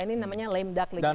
ini namanya lame duck legislation